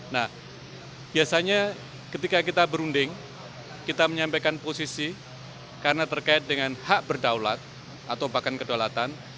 nah biasanya ketika kita berunding kita menyampaikan posisi karena terkait dengan hak berdaulat atau bahkan kedaulatan